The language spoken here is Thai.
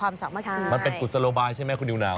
มันเป็นกุศโลบายใช่ไหมคุณนิวนาว